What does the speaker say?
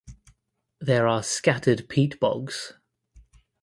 There are scattered peat bogs.